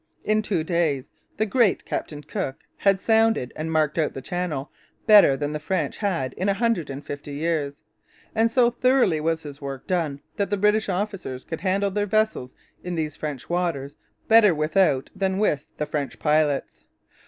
In two days the great Captain Cook had sounded and marked out the channel better than the French had in a hundred and fifty years; and so thoroughly was his work done that the British officers could handle their vessels in these French waters better without than with the French pilots.